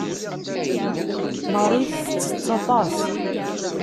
Marie tettess aṭas.